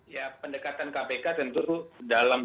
ya pendekatan kpk tentu dalam